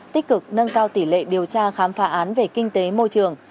tích cực nâng cao tỷ lệ điều tra khám phá án về kinh tế môi trường